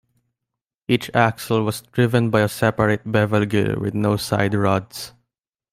Each axle was driven by a separate bevel gear, with no side rods.